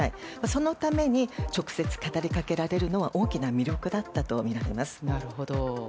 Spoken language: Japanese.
そのために直接語り掛けられるのは大きな魅力だったとみられます。